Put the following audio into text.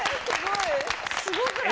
すごくない？